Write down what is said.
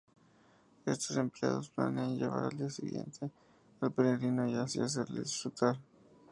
Estos dos empleados, planean llevar al día siguiente al peregrino y así hacerle disfrutar.